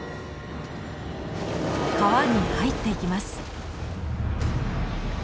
川に入っていきます。